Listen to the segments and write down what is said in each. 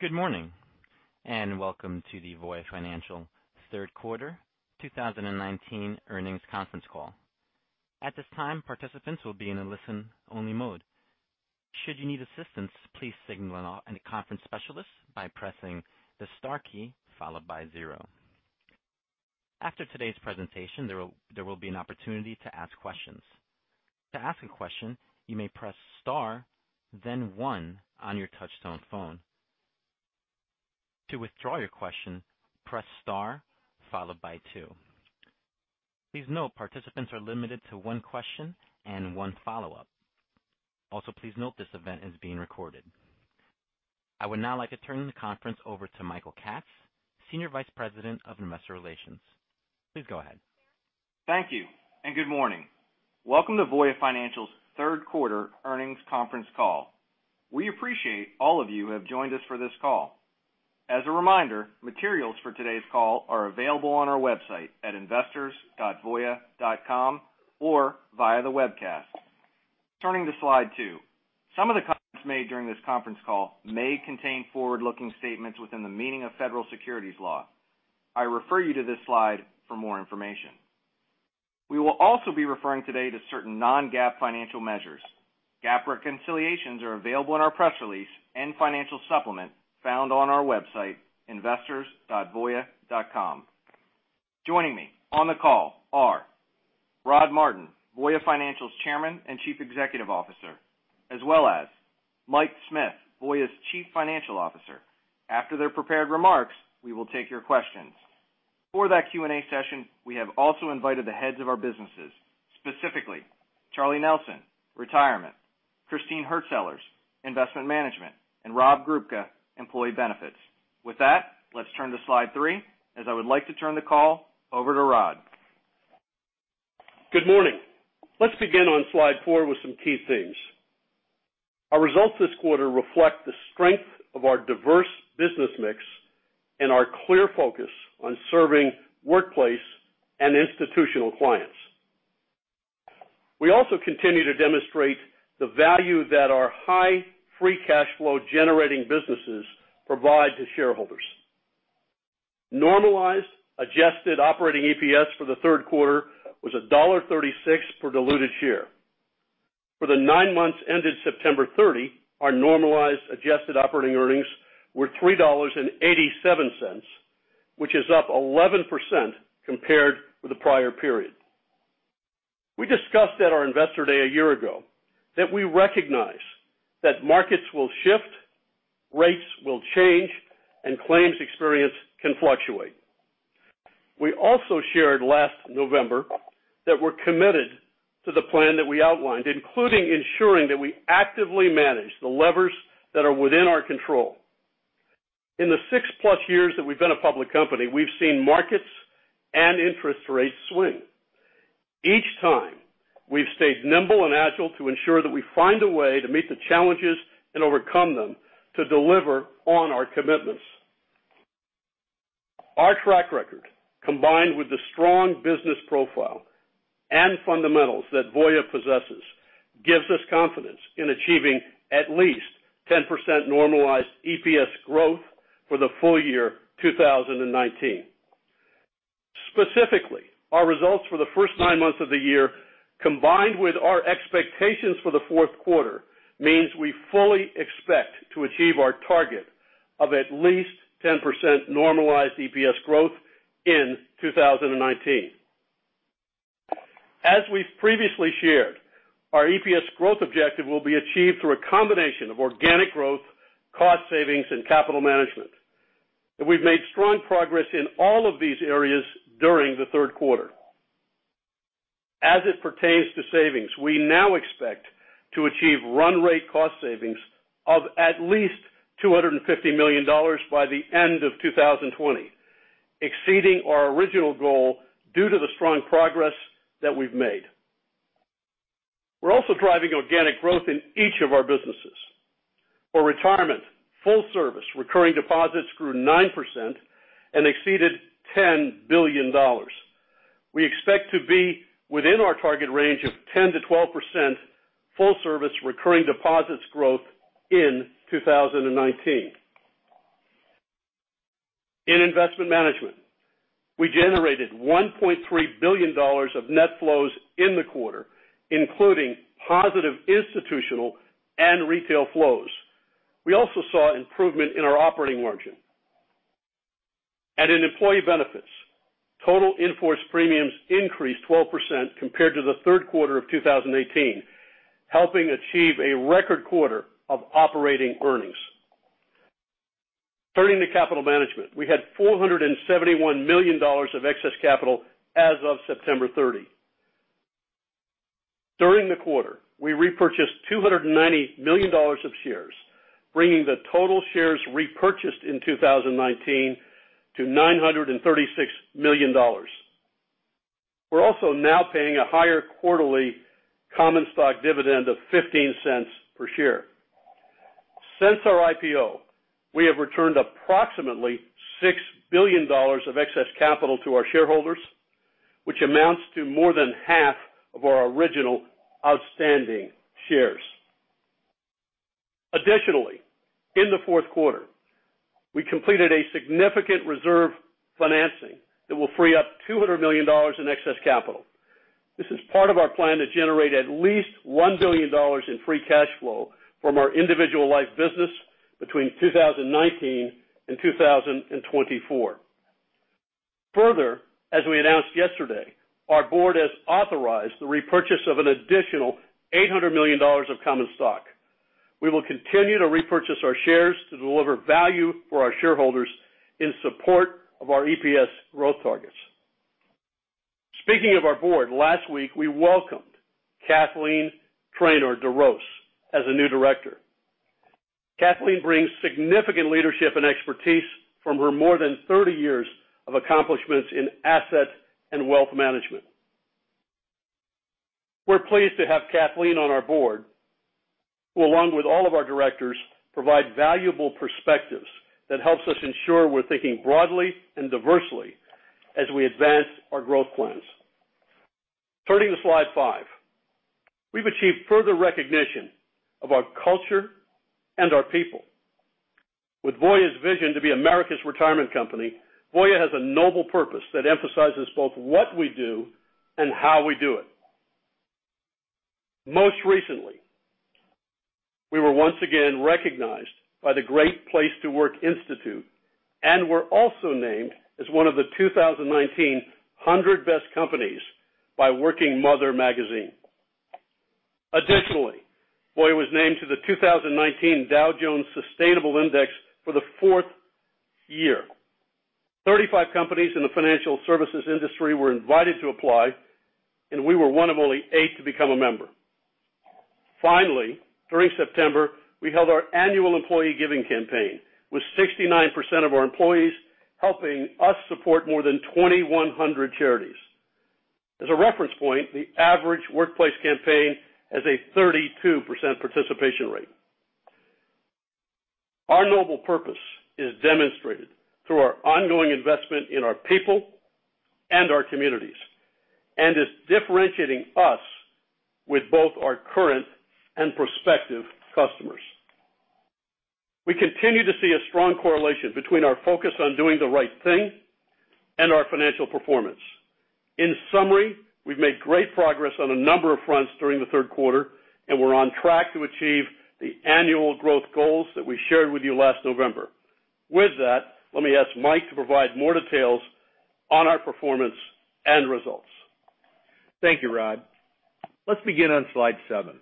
Good morning, and welcome to the Voya Financial third quarter 2019 earnings conference call. At this time, participants will be in a listen-only mode. Should you need assistance, please signal a conference specialist by pressing the star key followed by zero. After today's presentation, there will be an opportunity to ask questions. To ask a question, you may press star, then one on your touchtone phone. To withdraw your question, press star followed by two. Please note, participants are limited to one question and one follow-up. Also, please note this event is being recorded. I would now like to turn the conference over to Michael Katz, Senior Vice President of Investor Relations. Please go ahead. Thank you, and good morning. Welcome to Voya Financial's third quarter earnings conference call. We appreciate all of you who have joined us for this call. As a reminder, materials for today's call are available on our website at investors.voya.com or via the webcast. Turning to Slide two. Some of the comments made during this conference call may contain forward-looking statements within the meaning of Federal Securities Law. I refer you to this slide for more information. We will also be referring today to certain non-GAAP financial measures. GAAP reconciliations are available in our press release and financial supplement found on our website, investors.voya.com. Joining me on the call are Rod Martin, Voya Financial's Chairman and Chief Executive Officer, as well as Mike Smith, Voya's Chief Financial Officer. After their prepared remarks, we will take your questions. For that Q&A session, we have also invited the heads of our businesses, specifically Charlie Nelson, Retirement, Christine Hurtsellers, Investment Management, and Rob Grubka, Employee Benefits. With that, let's turn to Slide three, as I would like to turn the call over to Rod. Good morning. Let's begin on Slide Four with some key things. Our results this quarter reflect the strength of our diverse business mix and our clear focus on serving workplace and institutional clients. We also continue to demonstrate the value that our high free cash flow generating businesses provide to shareholders. Normalized adjusted operating EPS for the third quarter was $1.36 per diluted share. For the nine months ended September 30, our normalized adjusted operating earnings were $3.87, which is up 11% compared with the prior period. We discussed at our Investor Day a year ago that we recognize that markets will shift, rates will change, and claims experience can fluctuate. We also shared last November that we're committed to the plan that we outlined, including ensuring that we actively manage the levers that are within our control. In the six-plus years that we've been a public company, we've seen markets and interest rates swing. Each time, we've stayed nimble and agile to ensure that we find a way to meet the challenges and overcome them to deliver on our commitments. Our track record, combined with the strong business profile and fundamentals that Voya possesses, gives us confidence in achieving at least 10% normalized EPS growth for the full year 2019. Specifically, our results for the first nine months of the year, combined with our expectations for the fourth quarter, means we fully expect to achieve our target of at least 10% normalized EPS growth in 2019. As we've previously shared, our EPS growth objective will be achieved through a combination of organic growth, cost savings, and capital management. We've made strong progress in all of these areas during the third quarter. As it pertains to savings, we now expect to achieve run rate cost savings of at least $250 million by the end of 2020, exceeding our original goal due to the strong progress that we've made. We're also driving organic growth in each of our businesses. For Retirement, full service recurring deposits grew 9% and exceeded $10 billion. We expect to be within our target range of 10% to 12% full service recurring deposits growth in 2019. In Investment Management, we generated $1.3 billion of net flows in the quarter, including positive institutional and retail flows. We also saw improvement in our operating margin. In Employee Benefits, total in-force premiums increased 12% compared to the third quarter of 2018, helping achieve a record quarter of operating earnings. Turning to capital management, we had $471 million of excess capital as of September 30. During the quarter, we repurchased $290 million of shares, bringing the total shares repurchased in 2019 to $936 million. We're also now paying a higher quarterly common stock dividend of $0.15 per share. Since our IPO, we have returned approximately $6 billion of excess capital to our shareholders, which amounts to more than half of our original outstanding shares. Additionally, in the fourth quarter, we completed a significant reserve financing that will free up $200 million in excess capital. This is part of our plan to generate at least $1 billion in free cash flow from our individual life business between 2019 and 2024. As we announced yesterday, our board has authorized the repurchase of an additional $800 million of common stock. We will continue to repurchase our shares to deliver value for our shareholders in support of our EPS growth targets. Speaking of our board, last week, we welcomed Kathleen Traynor DeRose as a new director. Kathleen brings significant leadership and expertise from her more than 30 years of accomplishments in asset and wealth management. We're pleased to have Kathleen on our board, who, along with all of our directors, provide valuable perspectives that helps us ensure we're thinking broadly and diversely as we advance our growth plans. Turning to slide five. We've achieved further recognition of our culture and our people. With Voya's vision to be America's retirement company, Voya has a noble purpose that emphasizes both what we do and how we do it. Most recently, we were once again recognized by the Great Place to Work Institute, and were also named as one of the 2019 100 Best Companies by Working Mother. Additionally, Voya was named to the 2019 Dow Jones Sustainability Index for the fourth year. 35 companies in the financial services industry were invited to apply, and we were one of only eight to become a member. Finally, during September, we held our annual employee giving campaign, with 69% of our employees helping us support more than 2,100 charities. As a reference point, the average workplace campaign has a 32% participation rate. Our noble purpose is demonstrated through our ongoing investment in our people and our communities, and is differentiating us with both our current and prospective customers. We continue to see a strong correlation between our focus on doing the right thing and our financial performance. In summary, we've made great progress on a number of fronts during the third quarter, and we're on track to achieve the annual growth goals that we shared with you last November. With that, let me ask Mike to provide more details on our performance and results. Thank you, Rod. Let's begin on slide seven.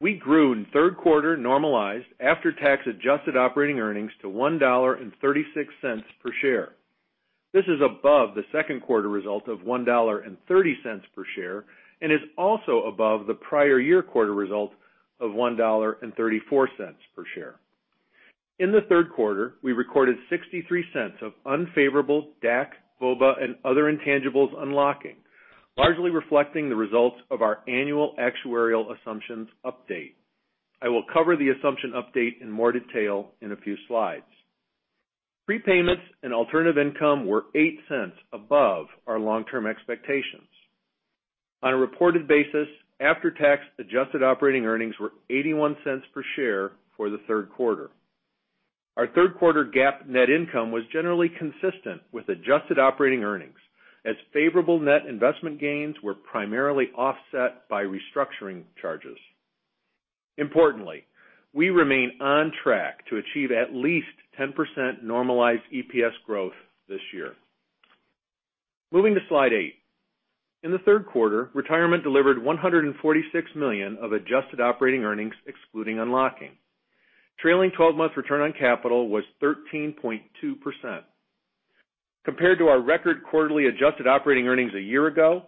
We grew in third quarter normalized after-tax adjusted operating earnings to $1.36 per share. This is above the second quarter result of $1.30 per share, and is also above the prior year quarter result of $1.34 per share. In the third quarter, we recorded $0.63 of unfavorable DAC, VOBA, and other intangibles unlocking, largely reflecting the results of our annual actuarial assumptions update. I will cover the assumption update in more detail in a few slides. Prepayments and alternative income were $0.08 above our long-term expectations. On a reported basis, after-tax adjusted operating earnings were $0.81 per share for the third quarter. Our third quarter GAAP net income was generally consistent with adjusted operating earnings, as favorable net investment gains were primarily offset by restructuring charges. Importantly, we remain on track to achieve at least 10% normalized EPS growth this year. Moving to slide eight. In the third quarter, Retirement delivered $146 million of adjusted operating earnings excluding unlocking. Trailing 12-month return on capital was 13.2%. Compared to our record quarterly adjusted operating earnings a year ago,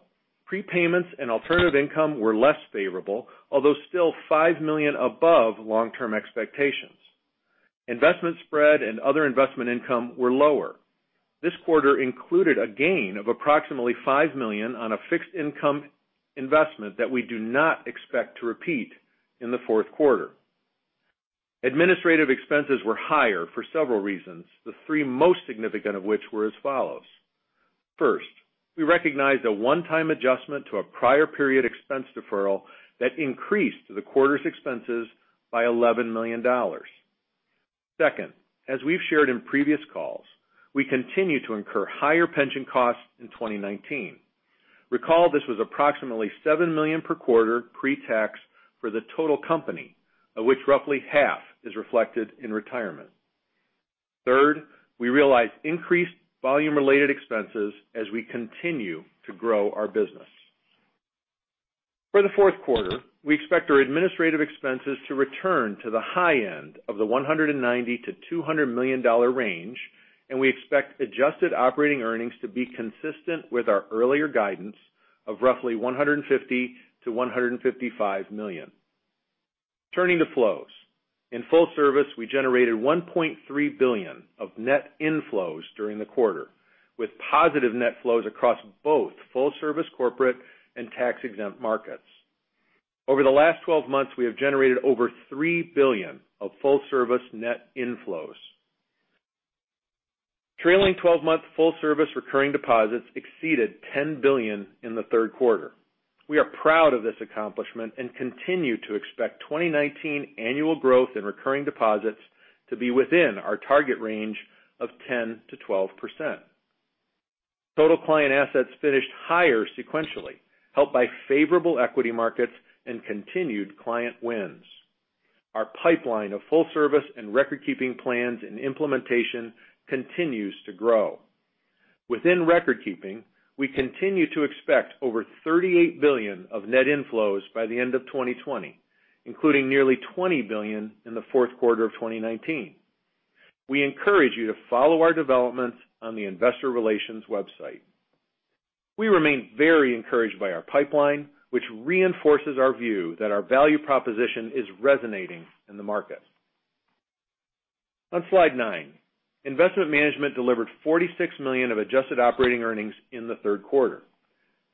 prepayments and alternative income were less favorable, although still $5 million above long-term expectations. Investment spread and other investment income were lower. This quarter included a gain of approximately $5 million on a fixed income investment that we do not expect to repeat in the fourth quarter. Administrative expenses were higher for several reasons, the three most significant of which were as follows. First, we recognized a one-time adjustment to a prior period expense deferral that increased the quarter's expenses by $11 million. Second, as we've shared in previous calls, we continue to incur higher pension costs in 2019. Recall, this was approximately $7 million per quarter pre-tax for the total company, of which roughly half is reflected in Retirement. Third, we realized increased volume-related expenses as we continue to grow our business. For the fourth quarter, we expect our administrative expenses to return to the high end of the $190 million-$200 million range, and we expect adjusted operating earnings to be consistent with our earlier guidance of roughly $150 million-$155 million. Turning to flows. In full service, we generated $1.3 billion of net inflows during the quarter, with positive net flows across both full service corporate and tax-exempt markets. Over the last 12 months, we have generated over $3 billion of full-service net inflows. Trailing 12-month full service recurring deposits exceeded $10 billion in the third quarter. We are proud of this accomplishment and continue to expect 2019 annual growth in recurring deposits to be within our target range of 10%-12%. Total client assets finished higher sequentially, helped by favorable equity markets and continued client wins. Our pipeline of Full Service and Recordkeeping plans and implementation continues to grow. Within Recordkeeping, we continue to expect over $38 billion of net inflows by the end of 2020, including nearly $20 billion in the fourth quarter of 2019. We encourage you to follow our developments on the investor relations website. We remain very encouraged by our pipeline, which reinforces our view that our value proposition is resonating in the market. On slide 9, Investment Management delivered $46 million of adjusted operating earnings in the third quarter.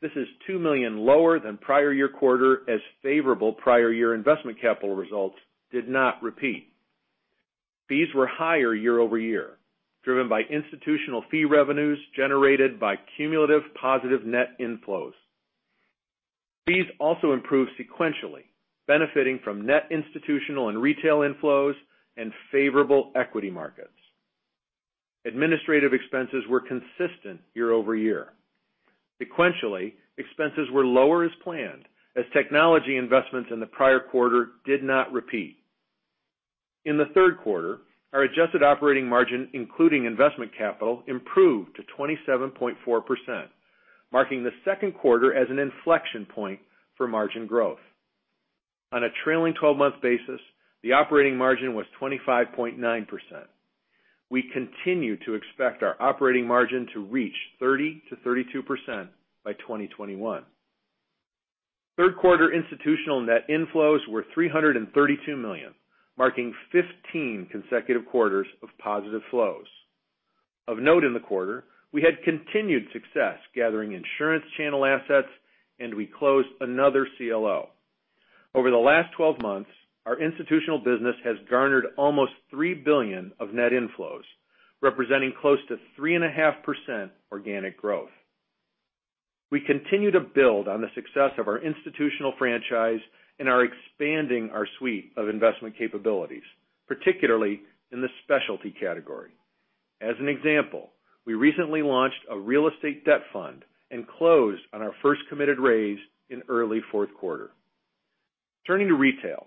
This is $2 million lower than prior year quarter, as favorable prior year investment capital results did not repeat. Fees were higher year-over-year, driven by institutional fee revenues generated by cumulative positive net inflows. Fees also improved sequentially, benefiting from net institutional and retail inflows, and favorable equity markets. Administrative expenses were consistent year-over-year. Sequentially, expenses were lower as planned, as technology investments in the prior quarter did not repeat. In the third quarter, our adjusted operating margin, including investment capital, improved to 27.4%, marking the second quarter as an inflection point for margin growth. On a trailing 12-month basis, the operating margin was 25.9%. We continue to expect our operating margin to reach 30%-32% by 2021. Third quarter institutional net inflows were $332 million, marking 15 consecutive quarters of positive flows. Of note in the quarter, we had continued success gathering insurance channel assets, and we closed another CLO. Over the last 12 months, our institutional business has garnered almost $3 billion of net inflows, representing close to 3.5% organic growth. We continue to build on the success of our institutional franchise and are expanding our suite of investment capabilities, particularly in the specialty category. As an example, we recently launched a real estate debt fund and closed on our first committed raise in early fourth quarter. Turning to retail.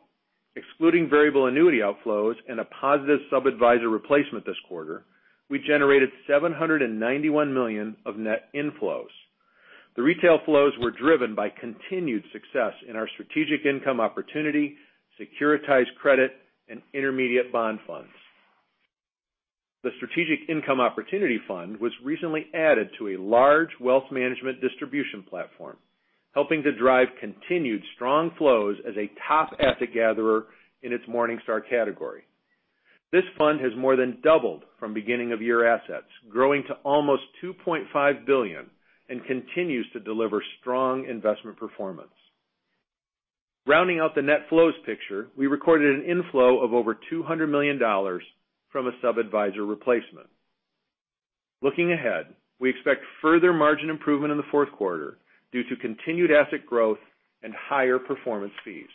Excluding variable annuity outflows and a positive sub-adviser replacement this quarter, we generated $791 million of net inflows. The retail flows were driven by continued success in our Strategic Income Opportunity, securitized credit, and intermediate bond funds. The Strategic Income Opportunity Fund was recently added to a large wealth management distribution platform, helping to drive continued strong flows as a top asset gatherer in its Morningstar category. This fund has more than doubled from beginning of year assets, growing to almost $2.5 billion, and continues to deliver strong investment performance. Rounding out the net flows picture, we recorded an inflow of over $200 million from a sub-adviser replacement. Looking ahead, we expect further margin improvement in the fourth quarter due to continued asset growth and higher performance fees.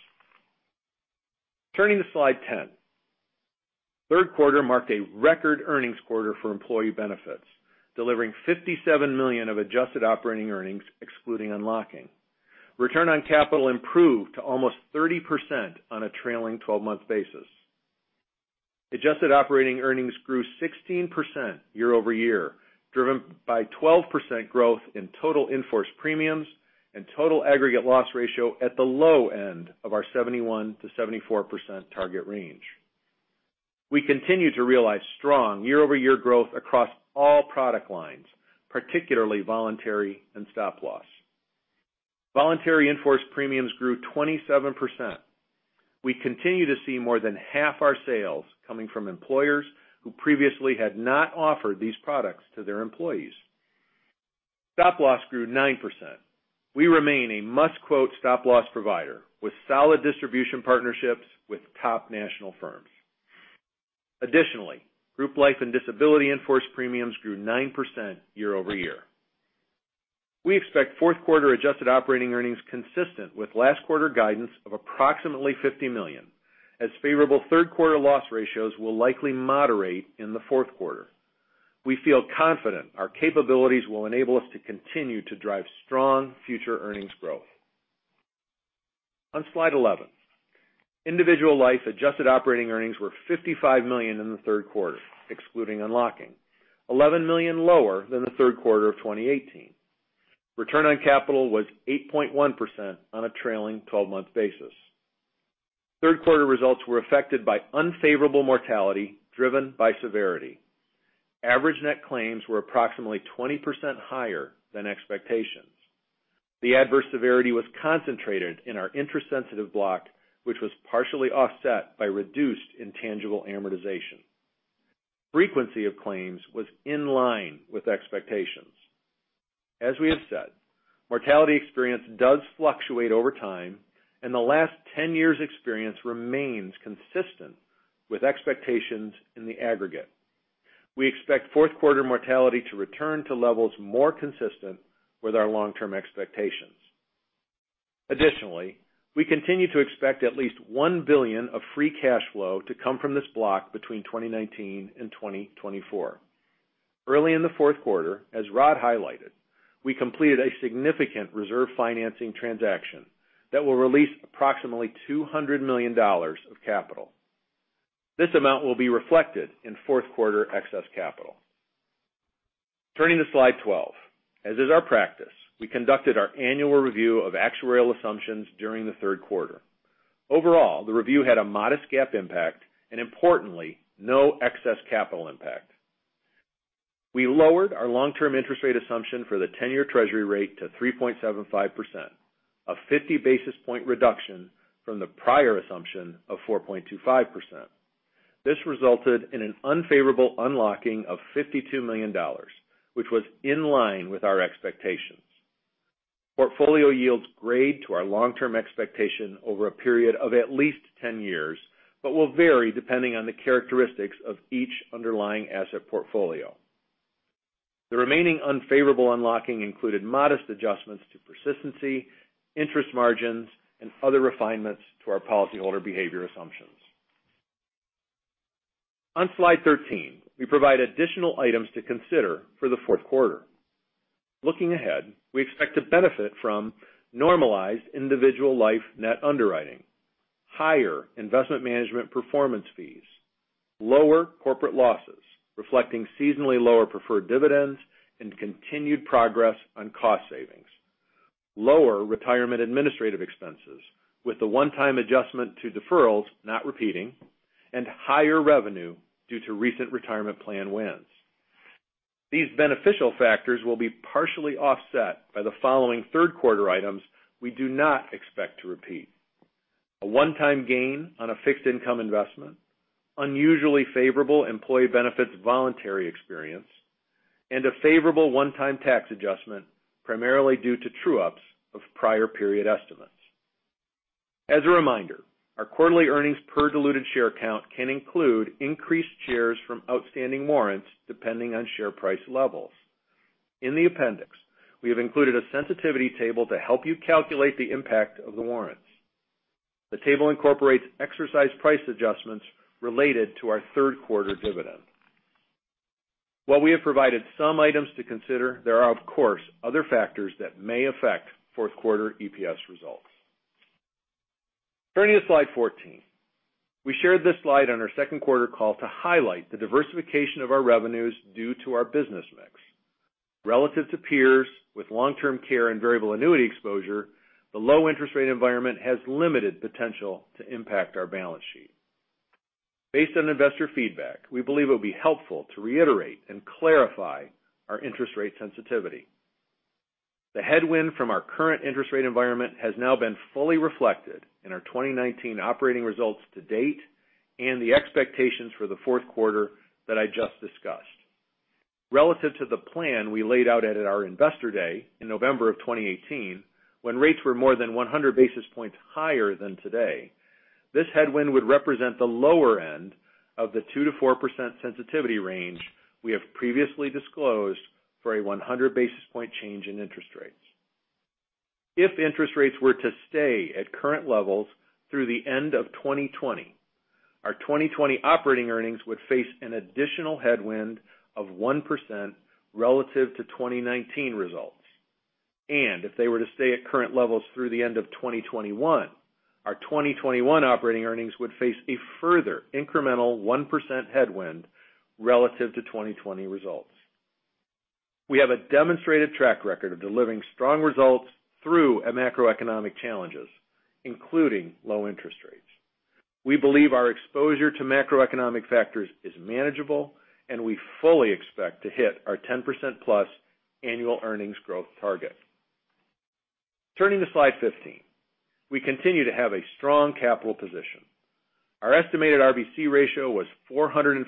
Turning to slide 10. Third quarter marked a record earnings quarter for Employee Benefits, delivering $57 million of adjusted operating earnings excluding unlocking. Return on capital improved to almost 30% on a trailing 12-month basis. Adjusted operating earnings grew 16% year-over-year, driven by 12% growth in total in-force premiums and total aggregate loss ratio at the low end of our 71%-74% target range. We continue to realize strong year-over-year growth across all product lines, particularly voluntary and Stop Loss. Voluntary in-force premiums grew 27%. We continue to see more than half our sales coming from employers who previously had not offered these products to their employees. Stop Loss grew 9%. We remain a must-quote Stop Loss provider with solid distribution partnerships with top national firms. Additionally, group life and disability in-force premiums grew 9% year-over-year. We expect fourth quarter adjusted operating earnings consistent with last quarter guidance of approximately $50 million, as favorable third quarter loss ratios will likely moderate in the fourth quarter. We feel confident our capabilities will enable us to continue to drive strong future earnings growth. On slide 11, individual life adjusted operating earnings were $55 million in the third quarter, excluding unlocking, $11 million lower than the third quarter of 2018. Return on capital was 8.1% on a trailing 12-month basis. Third quarter results were affected by unfavorable mortality driven by severity. Average net claims were approximately 20% higher than expectations. The adverse severity was concentrated in our interest-sensitive block, which was partially offset by reduced intangible amortization. Frequency of claims was in line with expectations. As we have said, mortality experience does fluctuate over time, and the last 10 years' experience remains consistent with expectations in the aggregate. We expect fourth quarter mortality to return to levels more consistent with our long-term expectations. Additionally, we continue to expect at least $1 billion of free cash flow to come from this block between 2019 and 2024. Early in the fourth quarter, as Rod highlighted, we completed a significant reserve financing transaction that will release approximately $200 million of capital. This amount will be reflected in fourth quarter excess capital. Turning to slide 12. As is our practice, we conducted our annual review of actuarial assumptions during the third quarter. Overall, the review had a modest GAAP impact and importantly, no excess capital impact. We lowered our long-term interest rate assumption for the 10-year treasury rate to 3.75%, a 50-basis point reduction from the prior assumption of 4.25%. This resulted in an unfavorable unlocking of $52 million, which was in line with our expectations. Portfolio yields grade to our long-term expectation over a period of at least 10 years, but will vary depending on the characteristics of each underlying asset portfolio. The remaining unfavorable unlocking included modest adjustments to persistency, interest margins, and other refinements to our policyholder behavior assumptions. On slide 13, we provide additional items to consider for the fourth quarter. Looking ahead, we expect to benefit from normalized individual life net underwriting, higher Investment Management performance fees, lower corporate losses, reflecting seasonally lower preferred dividends and continued progress on cost savings. Lower Retirement administrative expenses with a one-time adjustment to deferrals, not repeating, and higher revenue due to recent retirement plan wins. These beneficial factors will be partially offset by the following third-quarter items we do not expect to repeat. A one-time gain on a fixed income investment, unusually favorable Employee Benefits voluntary experience, and a favorable one-time tax adjustment, primarily due to true-ups of prior period estimates. As a reminder, our quarterly earnings per diluted share count can include increased shares from outstanding warrants, depending on share price levels. In the appendix, we have included a sensitivity table to help you calculate the impact of the warrants. The table incorporates exercise price adjustments related to our third-quarter dividend. While we have provided some items to consider, there are, of course, other factors that may affect fourth quarter EPS results. Turning to slide 14. We shared this slide on our second quarter call to highlight the diversification of our revenues due to our business mix. Relative to peers with long-term care and Variable Annuity exposure, the low interest rate environment has limited potential to impact our balance sheet. Based on investor feedback, we believe it will be helpful to reiterate and clarify our interest rate sensitivity. The headwind from our current interest rate environment has now been fully reflected in our 2019 operating results to date and the expectations for the fourth quarter that I just discussed. Relative to the plan we laid out at our Investor Day in November of 2018, when rates were more than 100 basis points higher than today, this headwind would represent the lower end of the 2%-4% sensitivity range we have previously disclosed for a 100-basis point change in interest rates. If interest rates were to stay at current levels through the end of 2020, our 2020 operating earnings would face an additional headwind of 1% relative to 2019 results. If they were to stay at current levels through the end of 2021, our 2021 operating earnings would face a further incremental 1% headwind relative to 2020 results. We have a demonstrated track record of delivering strong results through macroeconomic challenges, including low interest rates. We believe our exposure to macroeconomic factors is manageable, and we fully expect to hit our 10% plus annual earnings growth target. Turning to slide 15. We continue to have a strong capital position. Our estimated RBC ratio was 450%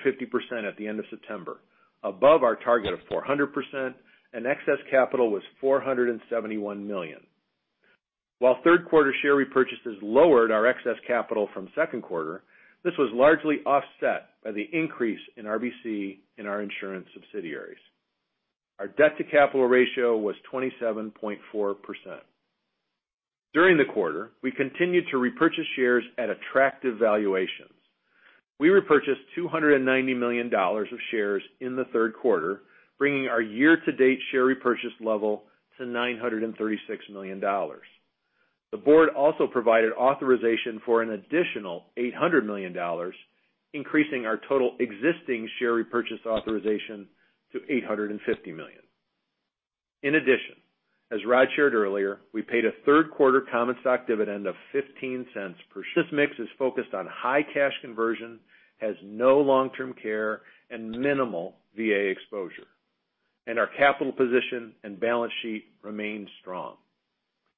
at the end of September, above our target of 400%, and excess capital was $471 million. While third quarter share repurchases lowered our excess capital from second quarter, this was largely offset by the increase in RBC in our insurance subsidiaries. Our debt to capital ratio was 27.4%. During the quarter, we continued to repurchase shares at attractive valuations. We repurchased $290 million of shares in the third quarter, bringing our year-to-date share repurchase level to $936 million. The board also provided authorization for an additional $800 million, increasing our total existing share repurchase authorization to $850 million. In addition, as Rod shared earlier, we paid a third quarter common stock dividend of $0.15 per share. This mix is focused on high cash conversion, has no long-term care and minimal VA exposure. Our capital position and balance sheet remain strong.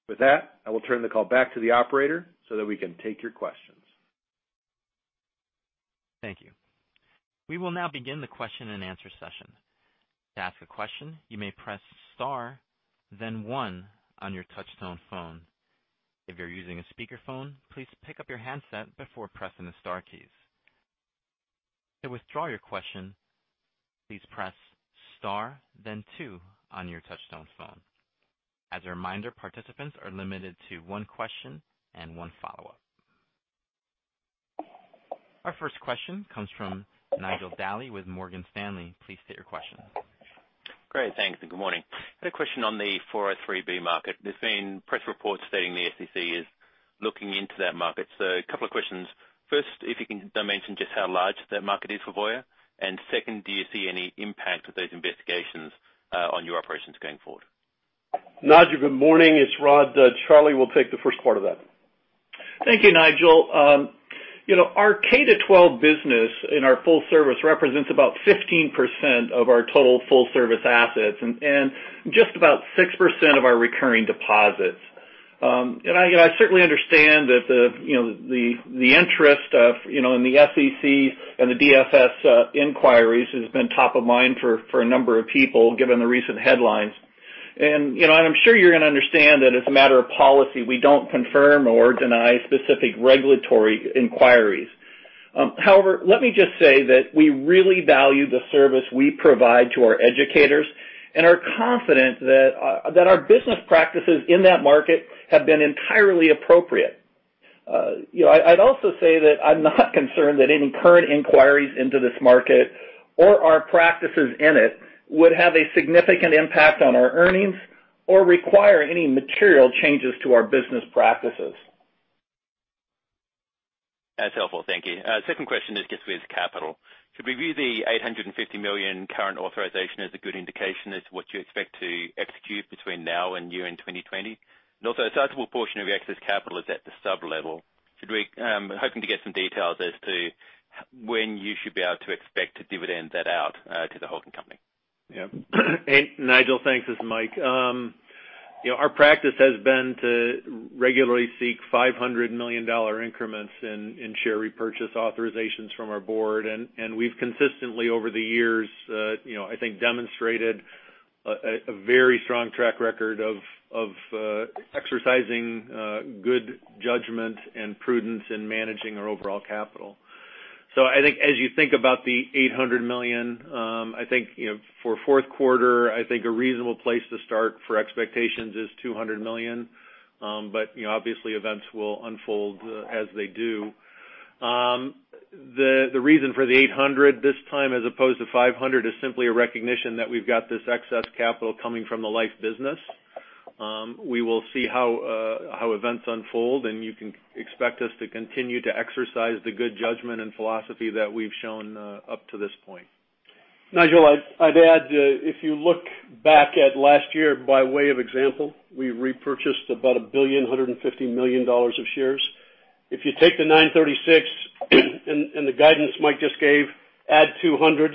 With that, I will turn the call back to the operator so that we can take your questions. Thank you. We will now begin the question and answer session. To ask a question, you may press star, then one on your touchtone phone. If you're using a speakerphone, please pick up your handset before pressing the star keys. To withdraw your question, please press star, then two on your touchtone phone. As a reminder, participants are limited to one question and one follow-up. Our first question comes from Nigel Daly with Morgan Stanley. Please state your question. Great. Thanks, good morning. Had a question on the 403(b) market. There's been press reports stating the SEC is looking into that market. A couple of questions. First, if you can dimension just how large that market is for Voya, and second, do you see any impact of those investigations on your operations going forward? Nigel, good morning. It's Rod. Charlie will take the first part of that. Thank you, Nigel. Our K-12 business in our Full Service represents about 15% of our total Full Service assets and just about 6% of our recurring deposits. I certainly understand that the interest of the SEC and the DFS inquiries has been top of mind for a number of people, given the recent headlines. I'm sure you're going to understand that as a matter of policy, we don't confirm or deny specific regulatory inquiries. However, let me just say that we really value the service we provide to our educators and are confident that our business practices in that market have been entirely appropriate. I'd also say that I'm not concerned that any current inquiries into this market or our practices in it would have a significant impact on our earnings or require any material changes to our business practices. That's helpful. Thank you. Second question is just with capital. Should we view the $850 million current authorization as a good indication as to what you expect to execute between now and year-end 2020? Also, a sizable portion of excess capital is at the sub-level. I'm hoping to get some details as to when you should be able to expect to dividend that out to the holding company. Nigel, thanks. It's Mike. Our practice has been to regularly seek $500 million increments in share repurchase authorizations from our board, and we've consistently, over the years, I think, demonstrated a very strong track record of exercising good judgment and prudence in managing our overall capital. I think as you think about the $800 million, for fourth quarter, I think a reasonable place to start for expectations is $200 million. Obviously, events will unfold as they do. The reason for the $800 this time, as opposed to $500, is simply a recognition that we've got this excess capital coming from the life business. We will see how events unfold, and you can expect us to continue to exercise the good judgment and philosophy that we've shown up to this point. Nigel, I'd add, if you look back at last year by way of example, we repurchased about $1.15 billion of shares. If you take the $936 and the guidance Mike just gave, add $200,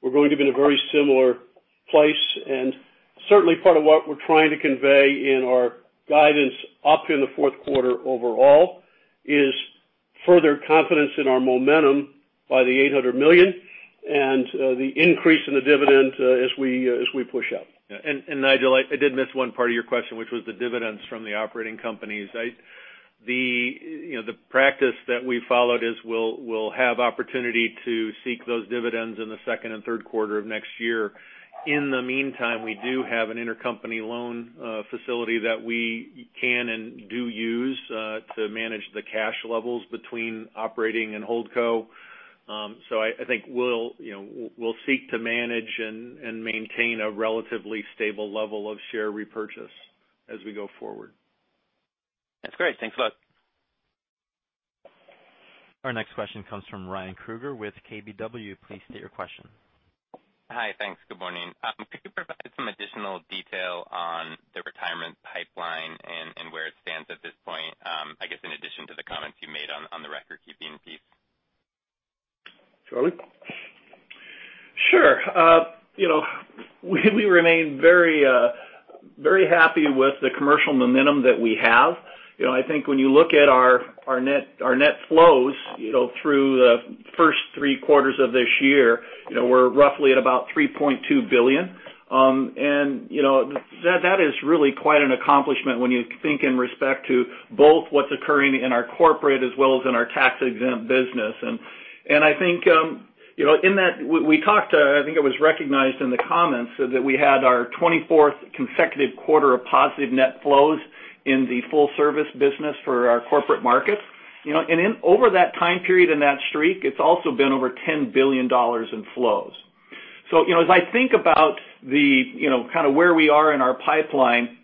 we're going to be in a very similar place. Certainly, part of what we're trying to convey in our guidance up in the fourth quarter overall is further confidence in our momentum by the $800 million and the increase in the dividend as we push out. Nigel, I did miss one part of your question, which was the dividends from the operating companies. The practice that we followed is we'll have opportunity to seek those dividends in the second and third quarter of next year. In the meantime, we do have an intercompany loan facility that we can and do use to manage the cash levels between operating and Holdco. I think we'll seek to manage and maintain a relatively stable level of share repurchase as we go forward. That's great. Thanks a lot. Our next question comes from Ryan Krueger with KBW. Please state your question. Hi. Thanks. Good morning. Could you provide some additional detail on the Retirement pipeline and where it stands at this point, I guess in addition to the comments you made on the Recordkeeping piece? Charlie? Sure. We remain very happy with the commercial momentum that we have. I think when you look at our net flows through the first three quarters of this year, we're roughly at about $3.2 billion. That is really quite an accomplishment when you think in respect to both what's occurring in our corporate as well as in our tax-exempt business. I think in that, we talked, I think it was recognized in the comments, that we had our 24th consecutive quarter of positive net flows in the full service business for our corporate markets. Over that time period in that streak, it's also been over $10 billion in flows. As I think about where we are in our pipeline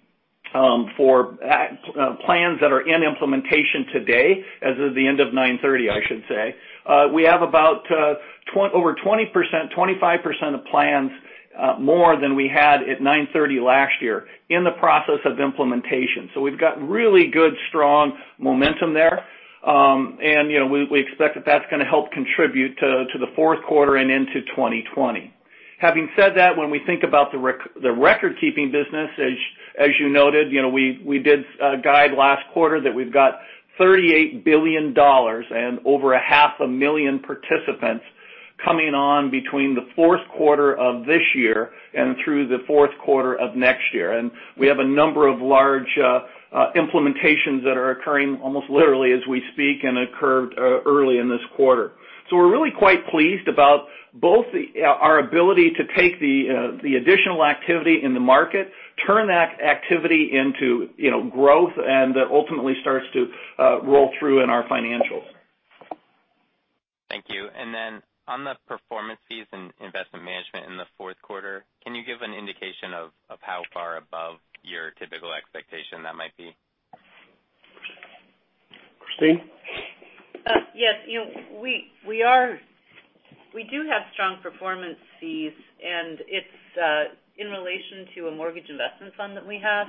for plans that are in implementation today, as of the end of 9/30, I should say, we have about over 20%-25% of plans more than we had at 9/30 last year in the process of implementation. We've got really good, strong momentum there. We expect that that's going to help contribute to the fourth quarter and into 2020. Having said that, when we think about the Recordkeeping business, as you noted, we did guide last quarter that we've got $38 billion and over a half a million participants coming on between the fourth quarter of this year and through the fourth quarter of next year. We have a number of large implementations that are occurring almost literally as we speak and occurred early in this quarter. We're really quite pleased about both our ability to take the additional activity in the market, turn that activity into growth, and that ultimately starts to roll through in our financials. Thank you. On the performance fees and Investment Management in the fourth quarter, can you give an indication of how far above your typical expectation that might be? Christine. Yes. We do have strong performance fees, and it's in relation to a mortgage investment fund that we have.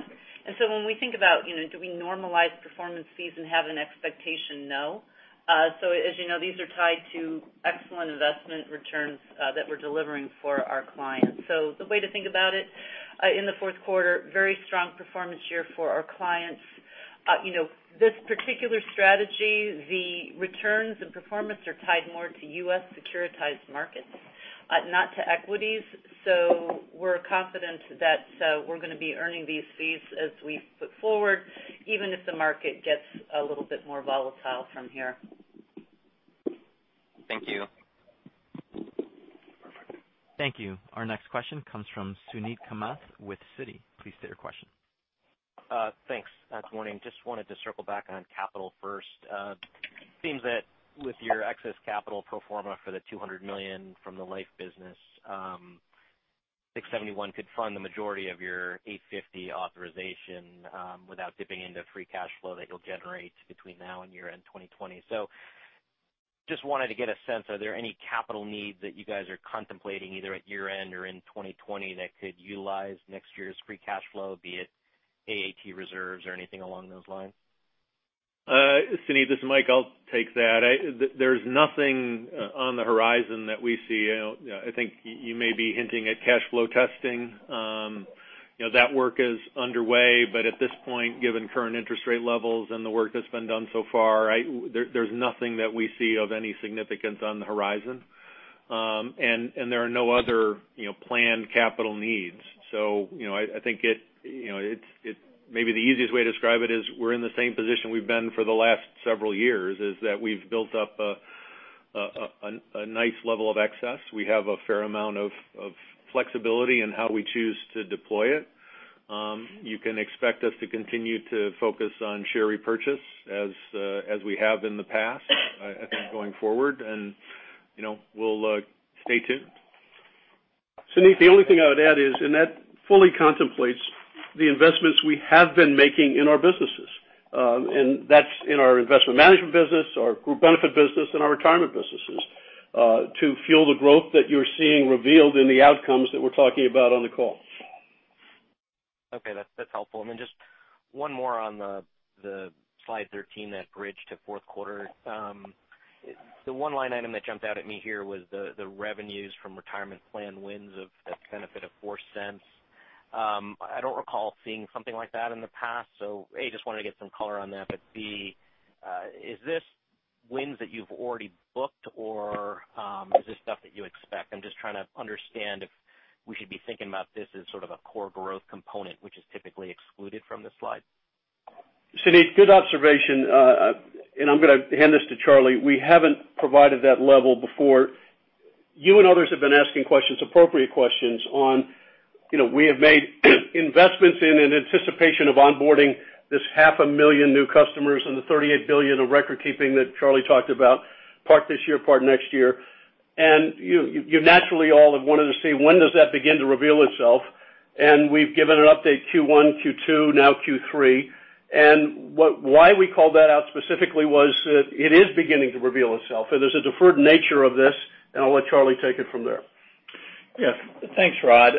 When we think about do we normalize performance fees and have an expectation, no. As you know, these are tied to excellent investment returns that we're delivering for our clients. The way to think about it, in the fourth quarter, very strong performance year for our clients. This particular strategy, the returns and performance are tied more to U.S. securitized markets, not to equities. We're confident that we're going to be earning these fees as we put forward, even if the market gets a little bit more volatile from here. Thank you. Thank you. Our next question comes from Suneet Kamath with Citigroup. Please state your question. Thanks. Good morning. Just wanted to circle back on capital first. Seems that with your excess capital pro forma for the $200 million from the life business, $671 could fund the majority of your $850 authorization without dipping into free cash flow that you'll generate between now and year-end 2020. Just wanted to get a sense, are there any capital needs that you guys are contemplating either at year-end or in 2020 that could utilize next year's free cash flow, be it AAT reserves or anything along those lines? Suneet, this is Mike. I'll take that. There's nothing on the horizon that we see. I think you may be hinting at cash flow testing. That work is underway, but at this point, given current interest rate levels and the work that's been done so far, there's nothing that we see of any significance on the horizon. There are no other planned capital needs. I think maybe the easiest way to describe it is we're in the same position we've been for the last several years, is that we've built up a nice level of excess. We have a fair amount of flexibility in how we choose to deploy it. You can expect us to continue to focus on share repurchase as we have in the past, I think, going forward. We'll stay tuned. Suneet, the only thing I would add is, that fully contemplates the investments we have been making in our businesses. That's in our Investment Management business, our group benefit business, and our Retirement businesses to fuel the growth that you're seeing revealed in the outcomes that we're talking about on the call. Okay. That's helpful. Just one more on slide 13, that bridge to fourth quarter. The one line item that jumped out at me here was the revenues from Retirement plan wins of a benefit of $0.04. I don't recall seeing something like that in the past, A, just wanted to get some color on that. B, is this wins that you've already booked or is this stuff that you expect? I'm just trying to understand if we should be thinking about this as sort of a core growth component, which is typically excluded from this slide. Suneet, good observation. I'm going to hand this to Charlie. We haven't provided that level before. You and others have been asking questions, appropriate questions on, we have made investments in anticipation of onboarding this half a million new customers and the $38 billion of Recordkeeping that Charlie talked about, part this year, part next year. You naturally all have wanted to see when does that begin to reveal itself? We've given an update Q1, Q2, now Q3. Why we called that out specifically was that it is beginning to reveal itself, and there's a deferred nature of this, and I'll let Charlie take it from there. Yes. Thanks, Rod.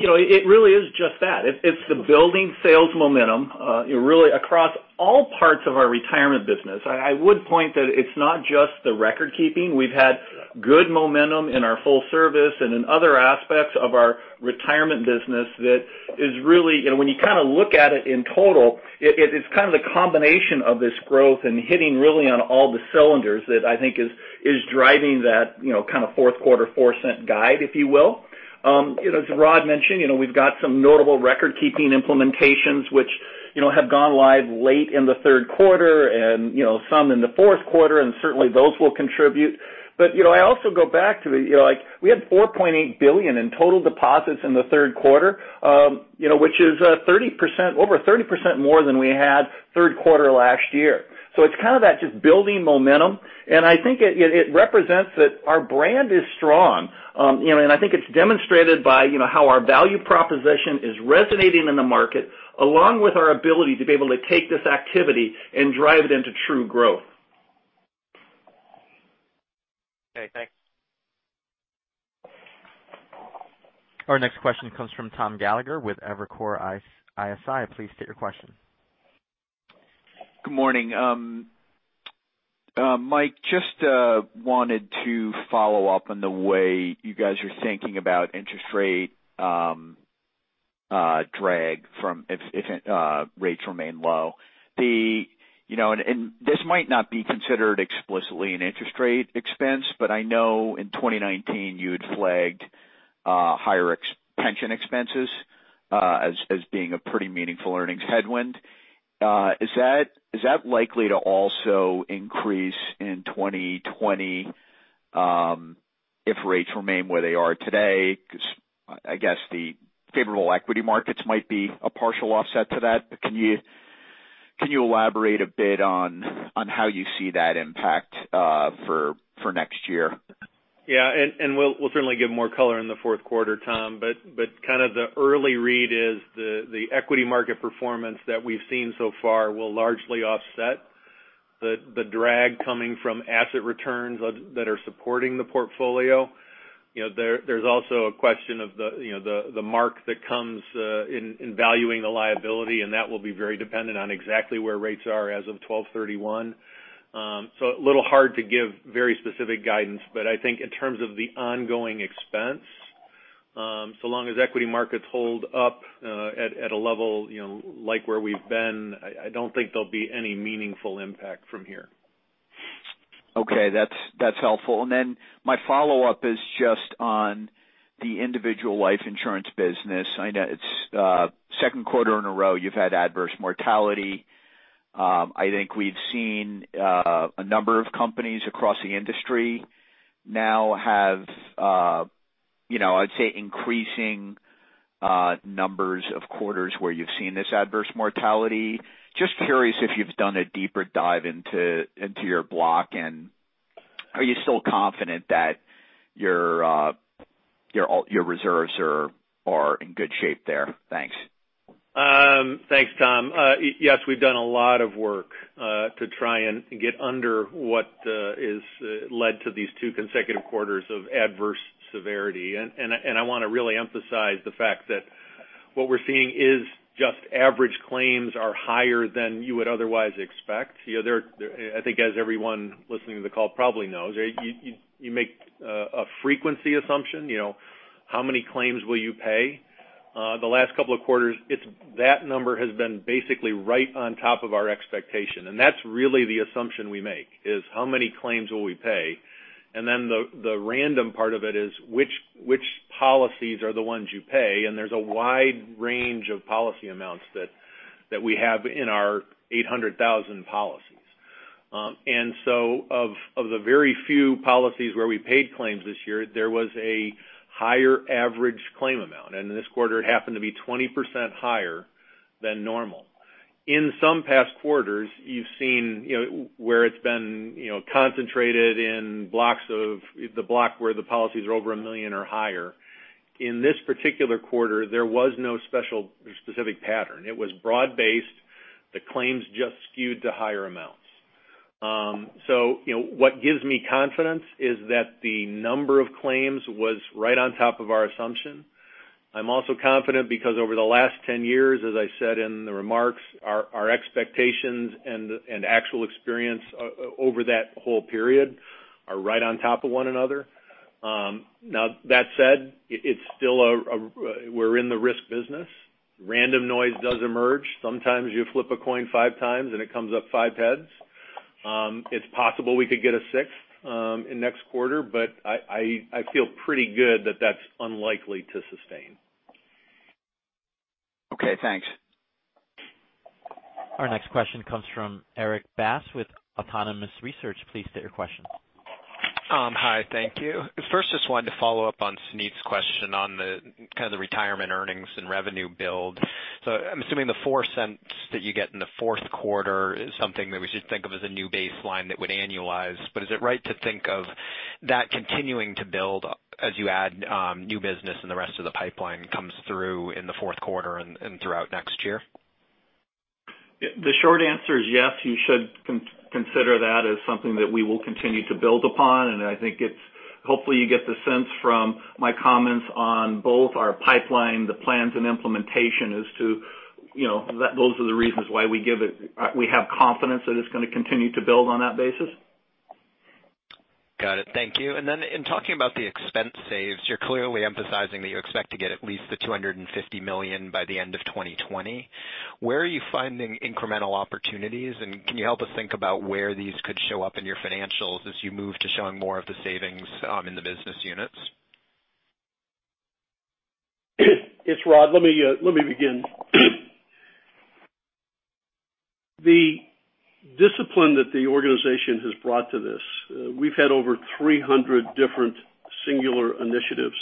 It really is just that. It's the building sales momentum, really across all parts of our Retirement business. I would point that it's not just the Recordkeeping. We've had good momentum in our full service and in other aspects of our Retirement business that is really, when you look at it in total, it is kind of the combination of this growth and hitting really on all the cylinders that I think is driving that kind of fourth quarter $0.04 guide, if you will. As Rod mentioned, we've got some notable Recordkeeping implementations, which have gone live late in the third quarter and some in the fourth quarter, and certainly those will contribute. I also go back to, we had $4.8 billion in total deposits in the third quarter, which is over 30% more than we had third quarter last year. It's kind of that just building momentum. I think it represents that our brand is strong. I think it's demonstrated by how our value proposition is resonating in the market, along with our ability to be able to take this activity and drive it into true growth. Okay, thanks. Our next question comes from Thomas Gallagher with Evercore ISI. Please state your question. Good morning. Mike, just wanted to follow up on the way you guys are thinking about interest rate drag from if rates remain low. This might not be considered explicitly an interest rate expense, but I know in 2019 you had flagged higher pension expenses as being a pretty meaningful earnings headwind. Is that likely to also increase in 2020 if rates remain where they are today? Because I guess the favorable equity markets might be a partial offset to that. Can you elaborate a bit on how you see that impact for next year? Yeah. We'll certainly give more color in the fourth quarter, Tom. Kind of the early read is the equity market performance that we've seen so far will largely offset the drag coming from asset returns that are supporting the portfolio. There's also a question of the mark that comes in valuing the liability, and that will be very dependent on exactly where rates are as of 12/31. A little hard to give very specific guidance, but I think in terms of the ongoing expense, so long as equity markets hold up at a level like where we've been, I don't think there'll be any meaningful impact from here. Okay. That's helpful. My follow-up is just on the individual life insurance business. I know it's second quarter in a row you've had adverse mortality. I think we've seen a number of companies across the industry now have, I'd say, increasing numbers of quarters where you've seen this adverse mortality. Just curious if you've done a deeper dive into your block, and are you still confident that your reserves are in good shape there? Thanks. Thanks, Tom. Yes, we've done a lot of work, to try and get under what has led to these two consecutive quarters of adverse severity. I want to really emphasize the fact that what we're seeing is just average claims are higher than you would otherwise expect. I think as everyone listening to the call probably knows, you make a frequency assumption. How many claims will you pay? The last couple of quarters, that number has been basically right on top of our expectation, and that's really the assumption we make, is how many claims will we pay? The random part of it is which policies are the ones you pay, and there's a wide range of policy amounts that we have in our 800,000 policies. Of the very few policies where we paid claims this year, there was a higher average claim amount, and in this quarter it happened to be 20% higher than normal. In some past quarters, you've seen where it's been concentrated in the block where the policies are over $1 million or higher. In this particular quarter, there was no specific pattern. It was broad-based. The claims just skewed to higher amounts. What gives me confidence is that the number of claims was right on top of our assumption. I'm also confident because over the last 10 years, as I said in the remarks, our expectations and actual experience over that whole period are right on top of one another. Now, that said, we're in the risk business. Random noise does emerge. Sometimes you flip a coin five times, and it comes up five heads. It's possible we could get a sixth in next quarter, I feel pretty good that that's unlikely to sustain. Okay, thanks. Our next question comes from Erik Bass with Autonomous Research. Please state your question. Hi, thank you. First, just wanted to follow up on Suneet's question on the kind of the Retirement earnings and revenue build. I'm assuming the $0.04 that you get in the fourth quarter is something that we should think of as a new baseline that would annualize. Is it right to think of that continuing to build as you add new business and the rest of the pipeline comes through in the fourth quarter and throughout next year? The short answer is yes. You should consider that as something that we will continue to build upon. I think hopefully you get the sense from my comments on both our pipeline, the plans and implementation as to those are the reasons why we have confidence that it's going to continue to build on that basis. Got it. Thank you. In talking about the expense saves, you're clearly emphasizing that you expect to get at least the $250 million by the end of 2020. Where are you finding incremental opportunities, and can you help us think about where these could show up in your financials as you move to showing more of the savings in the business units? It's Rod, let me begin. The discipline that the organization has brought to this, we've had over 300 different singular initiatives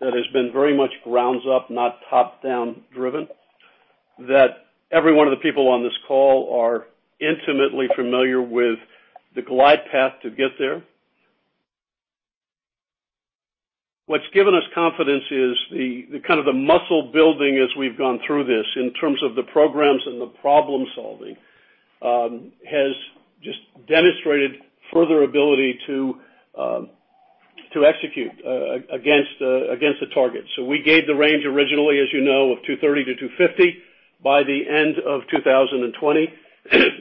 that has been very much ground up, not top-down driven, that every one of the people on this call are intimately familiar with the glide path to get there. What's given us confidence is the kind of the muscle building as we've gone through this in terms of the programs and the problem-solving has demonstrated further ability to execute against the target. We gave the range originally, as you know, of $230 million to $250 million by the end of 2020.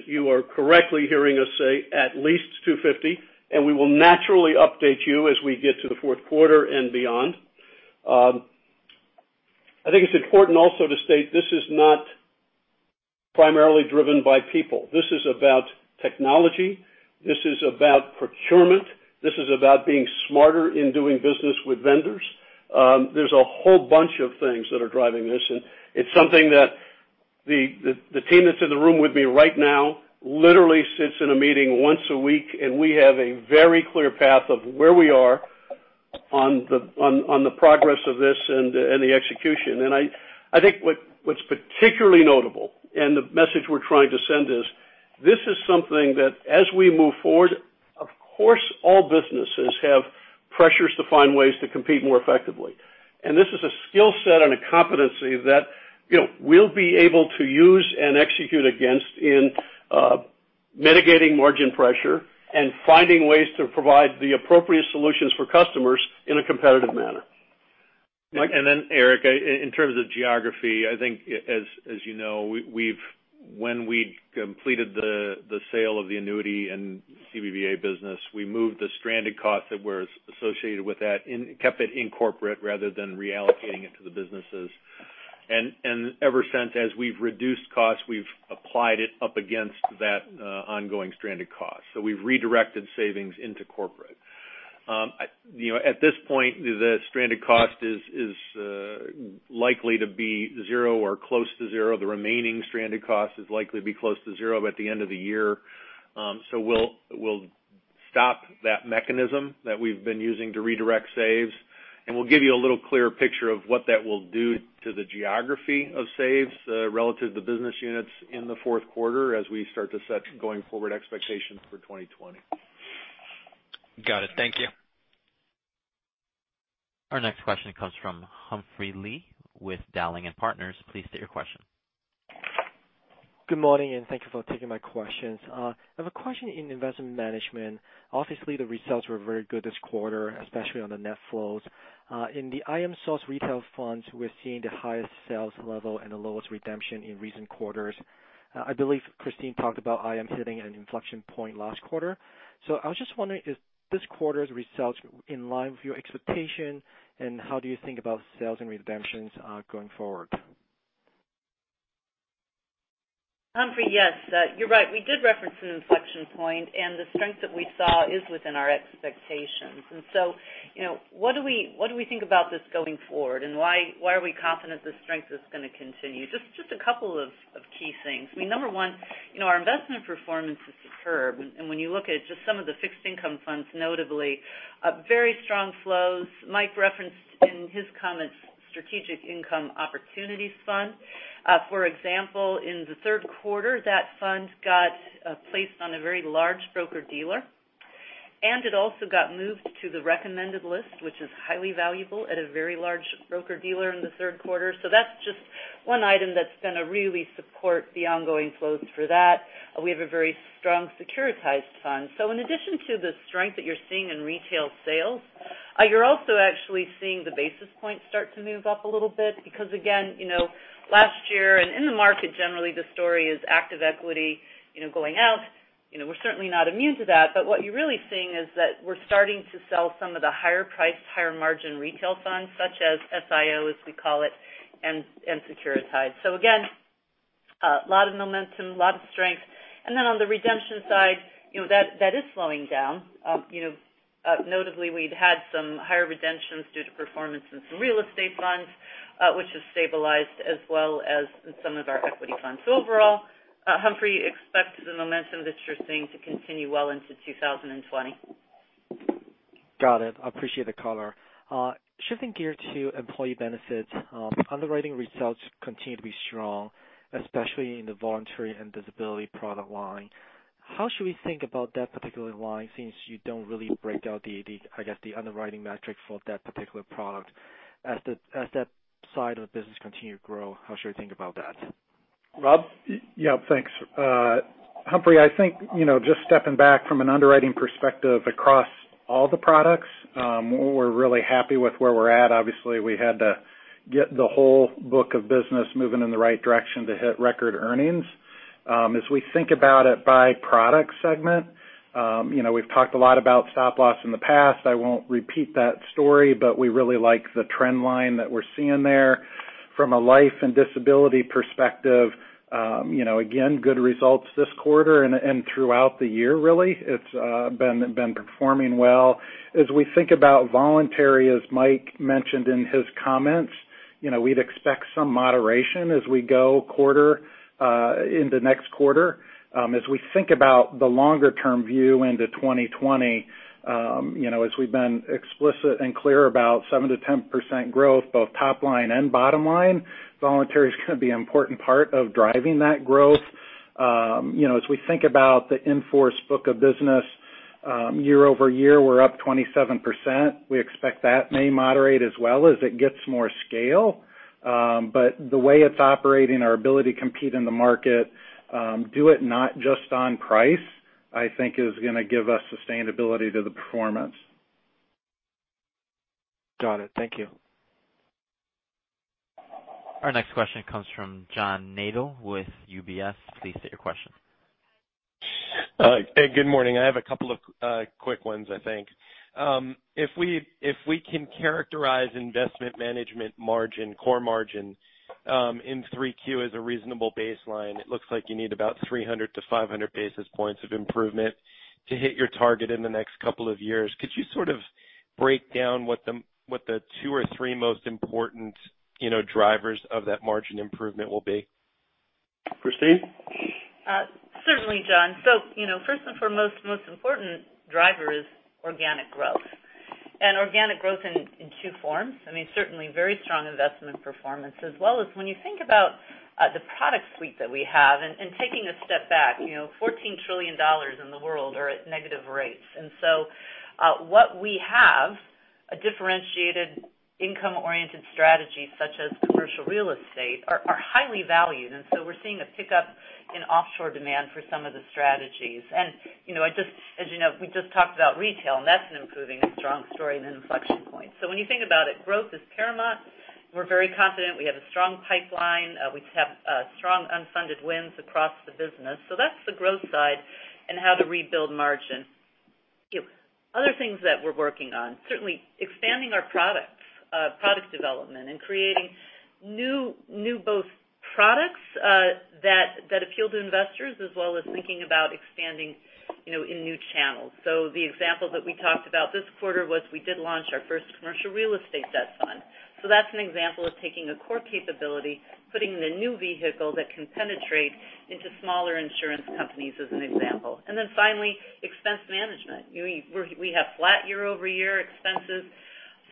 You are correctly hearing us say at least $250 million, we will naturally update you as we get to the fourth quarter and beyond. I think it's important also to state this is not primarily driven by people. This is about technology. This is about procurement. This is about being smarter in doing business with vendors. There's a whole bunch of things that are driving this, it's something that the team that's in the room with me right now literally sits in a meeting once a week, we have a very clear path of where we are on the progress of this and the execution. I think what's particularly notable and the message we're trying to send is this is something that as we move forward, of course, all businesses have pressures to find ways to compete more effectively. This is a skill set and a competency that we'll be able to use and execute against in mitigating margin pressure and finding ways to provide the appropriate solutions for customers in a competitive manner. Mike? Erik, in terms of geography, I think as you know, when we completed the sale of the annuity and CBVA business, we moved the stranded costs that were associated with that, kept it in corporate rather than reallocating it to the businesses. Ever since, as we've reduced costs, we've applied it up against that ongoing stranded cost. We've redirected savings into corporate. At this point, the stranded cost is likely to be zero or close to zero. The remaining stranded cost is likely to be close to zero at the end of the year. We'll stop that mechanism that we've been using to redirect saves, we'll give you a little clearer picture of what that will do to the geography of saves relative to business units in the fourth quarter as we start to set going forward expectations for 2020. Got it. Thank you. Our next question comes from Humphrey Lee with Dowling & Partners. Please state your question. Good morning. Thank you for taking my questions. I have a question in Investment Management. Obviously, the results were very good this quarter, especially on the net flows. In the IM Source retail funds, we're seeing the highest sales level and the lowest redemption in recent quarters. I believe Christine talked about IM hitting an inflection point last quarter. I was just wondering if this quarter's results in line with your expectation, and how do you think about sales and redemptions going forward? Humphrey, yes. You're right. We did reference an inflection point. The strength that we saw is within our expectations. What do we think about this going forward, and why are we confident this strength is going to continue? Just a couple of key things. Number one, our investment performance is superb. When you look at just some of the fixed income funds, notably, very strong flows. Mike referenced in his comments, Strategic Income Opportunity Fund. For example, in the third quarter, that fund got placed on a very large broker-dealer. It also got moved to the recommended list, which is highly valuable at a very large broker-dealer in the third quarter. That's just one item that's going to really support the ongoing flows for that. We have a very strong securitized fund. In addition to the strength that you're seeing in retail sales, you're also actually seeing the basis points start to move up a little bit because again, last year and in the market generally, the story is active equity going out. We're certainly not immune to that, but what you're really seeing is that we're starting to sell some of the higher priced, higher margin retail funds such as SIO, as we call it, and securitized. Again, a lot of momentum, a lot of strength. On the redemption side, that is slowing down. Notably, we'd had some higher redemptions due to performance in some real estate funds, which has stabilized as well as in some of our equity funds. Overall, Humphrey, expect the momentum that you're seeing to continue well into 2020. Got it. I appreciate the color. Shifting gear to Employee Benefits. Underwriting results continue to be strong, especially in the voluntary and disability product line. How should we think about that particular line since you don't really break out the, I guess, the underwriting metric for that particular product as that side of the business continue to grow? How should we think about that? Rob? Yeah. Thanks, Humphrey. I think just stepping back from an underwriting perspective across all the products, we're really happy with where we're at. Obviously, we had to get the whole book of business moving in the right direction to hit record earnings. As we think about it by product segment, we've talked a lot about Stop Loss in the past. I won't repeat that story, but we really like the trend line that we're seeing there. From a life and disability perspective, again, good results this quarter and throughout the year really. It's been performing well. As we think about voluntary, as Mike mentioned in his comments, we'd expect some moderation as we go quarter into next quarter. As we think about the longer-term view into 2020, as we've been explicit and clear about 7%-10% growth, both top line and bottom line, voluntary is going to be an important part of driving that growth. As we think about the in-force book of business Year-over-year, we're up 27%. We expect that may moderate as well as it gets more scale. The way it's operating, our ability to compete in the market, do it not just on price, I think is going to give us sustainability to the performance. Got it. Thank you. Our next question comes from John Nadel with UBS. Please state your question. Hey, good morning. I have a couple of quick ones, I think. If we can characterize Investment Management margin, core margin, in Q3 as a reasonable baseline, it looks like you need about 300-500 basis points of improvement to hit your target in the next couple of years. Could you sort of break down what the two or three most important drivers of that margin improvement will be? Christine? Certainly, John. First and foremost, most important driver is organic growth. Organic growth in two forms, I mean, certainly very strong investment performance as well as when you think about the product suite that we have and taking a step back, $14 trillion in the world are at negative rates. What we have, a differentiated income-oriented strategy such as commercial real estate, are highly valued. We're seeing a pickup in offshore demand for some of the strategies. As you know, we just talked about retail, and that's an improving and strong story and an inflection point. When you think about it, growth is paramount. We're very confident we have a strong pipeline. We have strong unfunded wins across the business. That's the growth side and how to rebuild margin. Other things that we're working on, certainly expanding our products, product development, and creating new both products that appeal to investors as well as thinking about expanding in new channels. The example that we talked about this quarter was we did launch our first commercial real estate debt fund. That's an example of taking a core capability, putting it in a new vehicle that can penetrate into smaller insurance companies as an example. Finally, expense management. We have flat year-over-year expenses,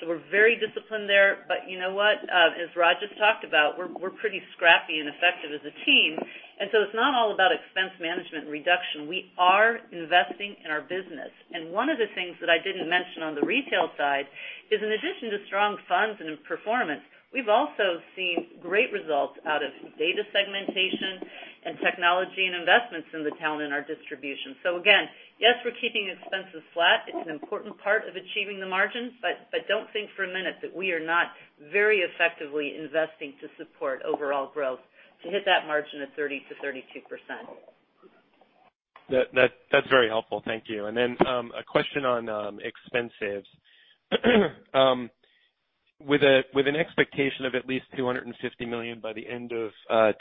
so we're very disciplined there. But you know what? As Rod just talked about, we're pretty scrappy and effective as a team, it's not all about expense management and reduction. We are investing in our business. One of the things that I didn't mention on the retail side is in addition to strong funds and performance, we've also seen great results out of data segmentation and technology and investments in the talent in our distribution. Again, yes, we're keeping expenses flat. It's an important part of achieving the margin, but don't think for a minute that we are not very effectively investing to support overall growth to hit that margin of 30%-32%. That's very helpful. Thank you. A question on expenses. With an expectation of at least $250 million by the end of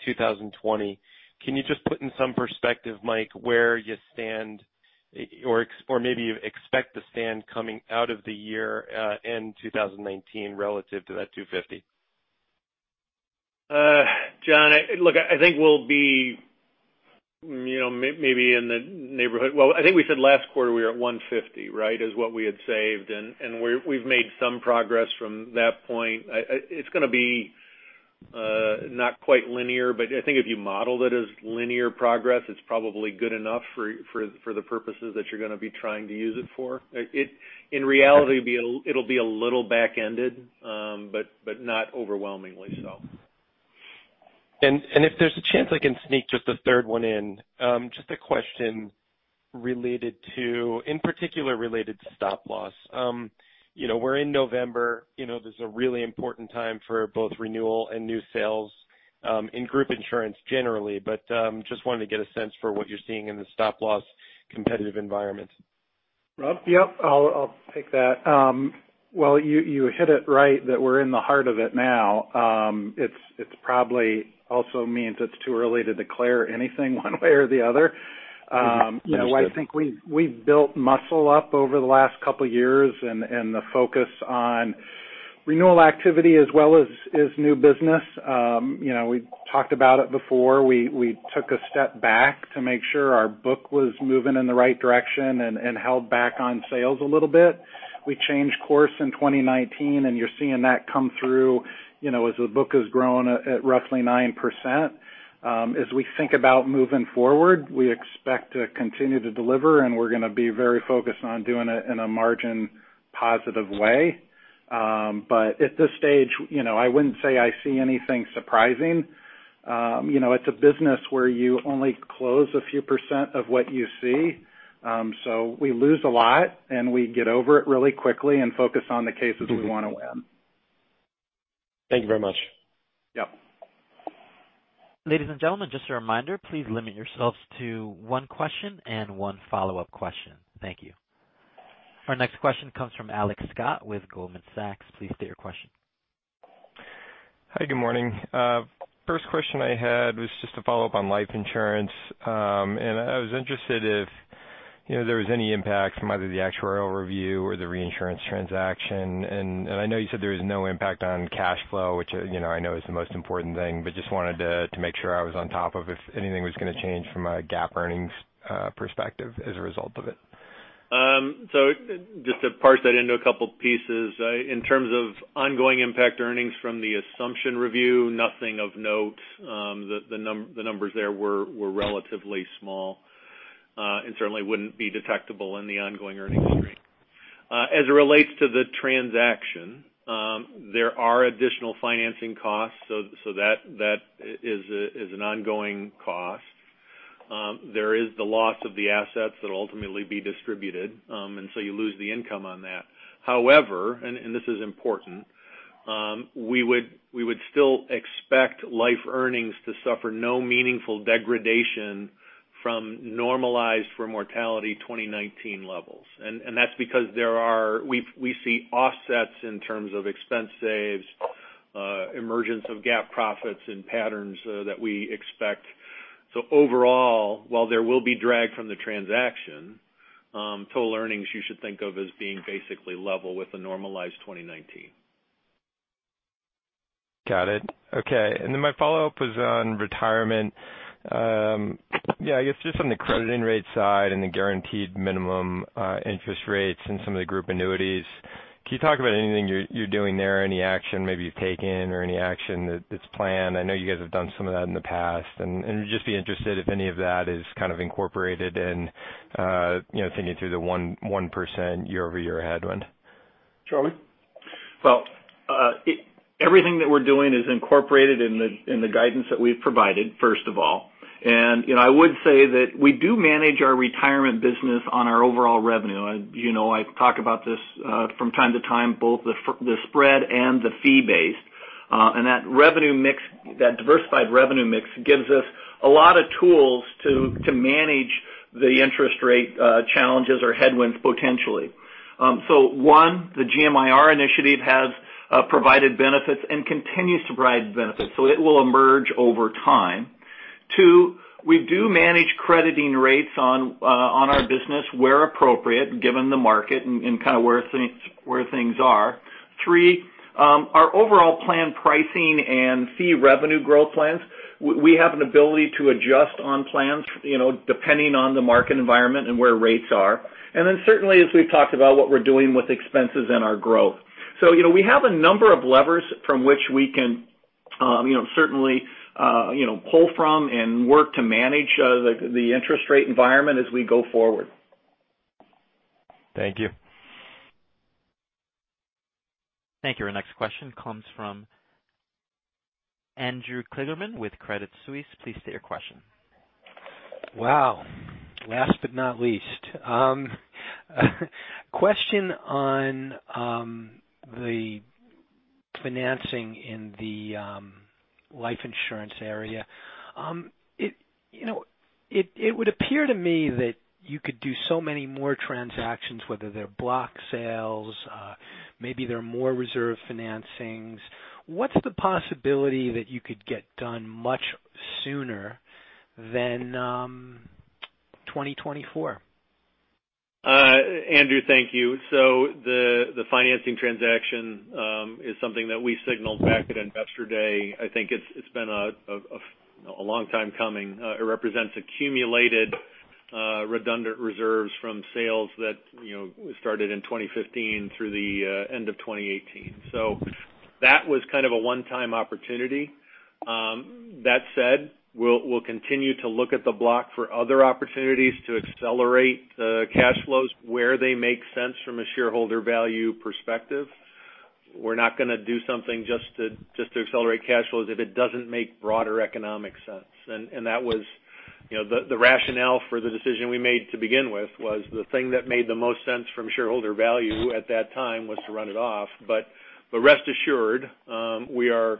2020, can you just put in some perspective, Mike, where you stand or maybe you expect to stand coming out of the year-end 2019 relative to that $250 million? John, I think we'll be maybe in the neighborhood. I think we said last quarter we were at 150 is what we had saved. We've made some progress from that point. It's going to be not quite linear, but I think if you modeled it as linear progress, it's probably good enough for the purposes that you're going to be trying to use it for. In reality, it'll be a little back-ended, but not overwhelmingly so. If there's a chance I can sneak just a third one in, just a question in particular related to Stop Loss. We're in November. This is a really important time for both renewal and new sales in group insurance generally. Just wanted to get a sense for what you're seeing in the Stop Loss competitive environment. Rob? Yep, I'll take that. You hit it right that we're in the heart of it now. It probably also means it's too early to declare anything one way or the other. Understood. I think we've built muscle up over the last couple of years, the focus on renewal activity as well as new business. We talked about it before. We took a step back to make sure our book was moving in the right direction and held back on sales a little bit. We changed course in 2019, you're seeing that come through as the book has grown at roughly 9%. As we think about moving forward, we expect to continue to deliver, we're going to be very focused on doing it in a margin-positive way. At this stage, I wouldn't say I see anything surprising. It's a business where you only close a few percent of what you see. We lose a lot, we get over it really quickly and focus on the cases we want to win. Thank you very much. Yep. Ladies and gentlemen, just a reminder, please limit yourselves to one question and one follow-up question. Thank you. Our next question comes from Alex Scott with Goldman Sachs. Please state your question. Hi, good morning. First question I had was just a follow-up on life insurance. I was interested if there was any impact from either the actuarial review or the reinsurance transaction. I know you said there was no impact on cash flow, which I know is the most important thing, but just wanted to make sure I was on top of if anything was going to change from a GAAP earnings perspective as a result of it. Just to parse that into a couple pieces. In terms of ongoing impact earnings from the assumption review, nothing of note. The numbers there were relatively small and certainly wouldn't be detectable in the ongoing earnings stream. As it relates to the transaction, there are additional financing costs, so that is an ongoing cost. There is the loss of the assets that will ultimately be distributed, and so you lose the income on that. However, and this is important, we would still expect life earnings to suffer no meaningful degradation from normalized for mortality 2019 levels. That's because we see offsets in terms of expense saves, emergence of GAAP profits and patterns that we expect. Overall, while there will be drag from the transaction, total earnings you should think of as being basically level with the normalized 2019. Got it. Okay. My follow-up was on Retirement. I guess just on the crediting rate side and the guaranteed minimum interest rates and some of the group annuities, can you talk about anything you're doing there, any action maybe you've taken or any action that's planned? I know you guys have done some of that in the past, and I'd just be interested if any of that is kind of incorporated and taking you through the 1% year-over-year headwind. Charlie? Well, everything that we're doing is incorporated in the guidance that we've provided, first of all. I would say that we do manage our Retirement business on our overall revenue. I talk about this from time to time, both the spread and the fee-based. That diversified revenue mix gives us a lot of tools to manage the interest rate challenges or headwinds potentially. One, the GMIR initiative has provided benefits and continues to provide benefits, so it will emerge over time. Two, we do manage crediting rates on our business where appropriate, given the market and kind of where things are. Three, our overall plan pricing and fee revenue growth plans, we have an ability to adjust on plans depending on the market environment and where rates are. Certainly, as we've talked about, what we're doing with expenses and our growth. We have a number of levers from which we can certainly pull from and work to manage the interest rate environment as we go forward. Thank you. Thank you. Our next question comes from Andrew Kligerman with Credit Suisse. Please state your question. Wow. Last but not least. Question on the financing in the life insurance area. It would appear to me that you could do so many more transactions, whether they're block sales, maybe they're more reserve financings. What's the possibility that you could get done much sooner than 2024? Andrew, thank you. The financing transaction is something that we signaled back at Investor Day. I think it's been a long time coming. It represents accumulated redundant reserves from sales that started in 2015 through the end of 2018. That was kind of a one-time opportunity. That said, we'll continue to look at the block for other opportunities to accelerate the cash flows where they make sense from a shareholder value perspective. We're not going to do something just to accelerate cash flows if it doesn't make broader economic sense. The rationale for the decision we made to begin with was the thing that made the most sense from shareholder value at that time was to run it off. Rest assured, we are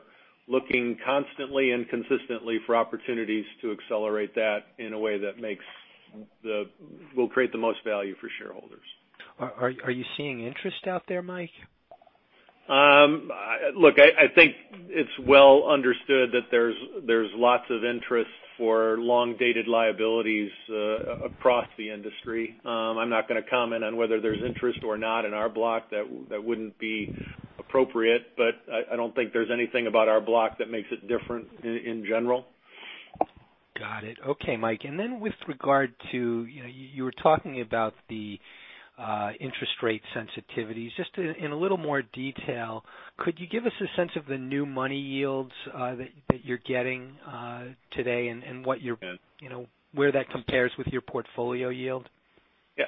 looking constantly and consistently for opportunities to accelerate that in a way that will create the most value for shareholders. Are you seeing interest out there, Mike? Look, I think it's well understood that there's lots of interest for long-dated liabilities across the industry. I'm not going to comment on whether there's interest or not in our block. That wouldn't be appropriate, but I don't think there's anything about our block that makes it different in general. Got it. Okay, Mike. Then with regard to, you were talking about the interest rate sensitivities, just in a little more detail, could you give us a sense of the new money yields that you're getting today and where that compares with your portfolio yield? Yeah.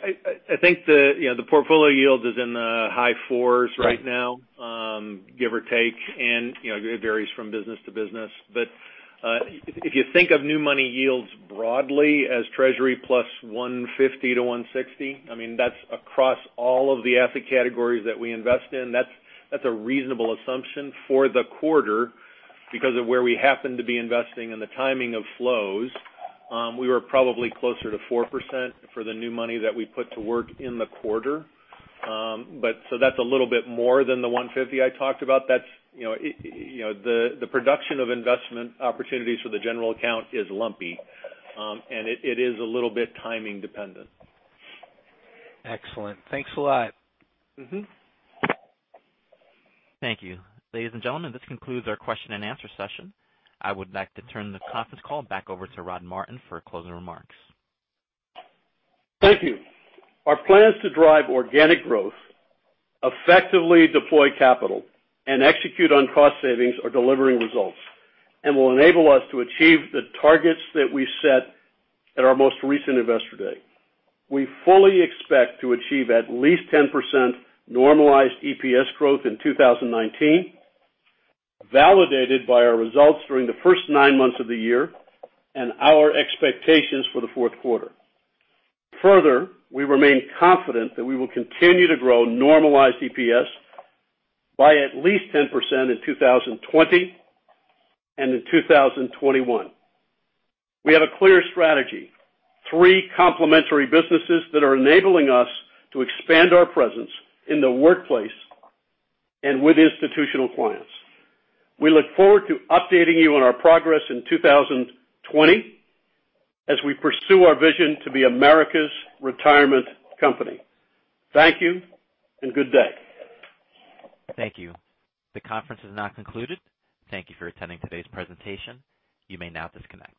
I think the portfolio yield is in the high fours right now, give or take, and it varies from business to business. If you think of new money yields broadly as Treasury plus 150 to 160, I mean, that's across all of the asset categories that we invest in. That's a reasonable assumption for the quarter because of where we happen to be investing and the timing of flows. We were probably closer to 4% for the new money that we put to work in the quarter. That's a little bit more than the 150 I talked about. The production of investment opportunities for the general account is lumpy, and it is a little bit timing dependent. Excellent. Thanks a lot. Thank you. Ladies and gentlemen, this concludes our question and answer session. I would like to turn the conference call back over to Rod Martin for closing remarks. Thank you. Our plans to drive organic growth, effectively deploy capital and execute on cost savings are delivering results and will enable us to achieve the targets that we set at our most recent Investor Day. We fully expect to achieve at least 10% normalized EPS growth in 2019, validated by our results during the first nine months of the year and our expectations for the fourth quarter. Further, we remain confident that we will continue to grow normalized EPS by at least 10% in 2020 and in 2021. We have a clear strategy, three complementary businesses that are enabling us to expand our presence in the workplace and with institutional clients. We look forward to updating you on our progress in 2020 as we pursue our vision to be America's Retirement Company. Thank you and good day. Thank you. The conference is now concluded. Thank you for attending today's presentation. You may now disconnect.